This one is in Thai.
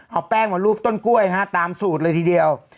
เอาแป้งมารูปต้นกล้วยฮะตามสูตรเลยทีเดียว